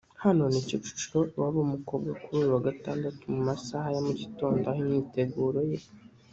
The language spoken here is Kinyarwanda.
Hano ni Kicukiro iwabo w'umukobwa kuri uyu wa gatanduatu mu masaha ya mugitondo aho imyiteguro y